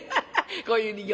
こういう人形。